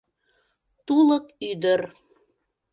Тулык ӱдыр.